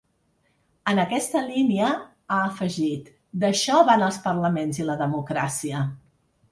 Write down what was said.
En aquesta línia, ha afegit ‘d’això van els parlaments i la democràcia’.